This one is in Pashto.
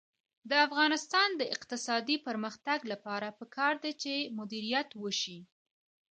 د افغانستان د اقتصادي پرمختګ لپاره پکار ده چې مدیریت وشي.